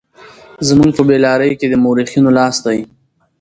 زموږ په بې لارۍ کې د مورخينو لاس دی.